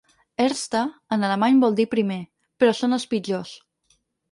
Erste’ en alemany vol dir ‘primer’, però són els pitjors.